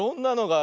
あ！